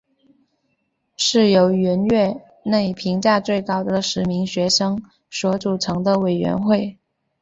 是由远月内评价最高的十名学生所组成的委员会。